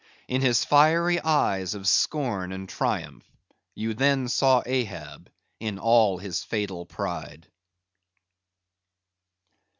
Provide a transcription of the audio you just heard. In his fiery eyes of scorn and triumph, you then saw Ahab in all his fatal pride.